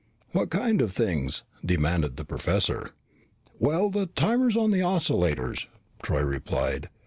"What kind of things?" demanded the professor. "Well, the timers on the oscillators," Troy replied.